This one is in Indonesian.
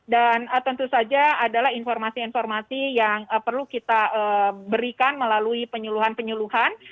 dan tentu saja adalah informasi informasi yang perlu kita berikan melalui penyeluhan penyeluhan